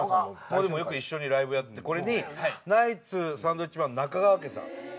よく一緒にライブやってこれにナイツサンドウィッチマン中川家さん。